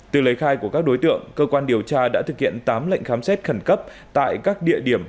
từ lấy khai của các đối tượng cơ quan điều tra đã thực hiện tám lệnh khám xét khẩn cấp tại các địa điểm